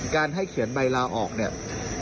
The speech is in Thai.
ให้เขียนใบลาออกเนี่ย